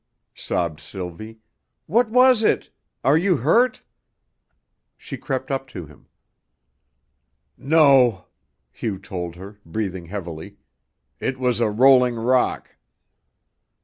sobbed Sylvie. "What was it? Are you hurt?" She crept up to him. "No," Hugh told her, breathing heavily. "It was a rolling rock."